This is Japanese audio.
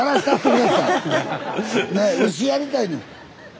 牛やりたいねん。